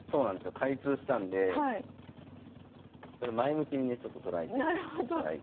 開通したんでそれ前向きにねちょっと捉えていただいて。